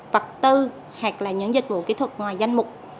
vật tư hoặc là những dịch vụ kỹ thuật ngoài danh mục